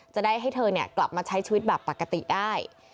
จะได้ให้เธอกลับมาใช้ชีวิตแบบปกติได้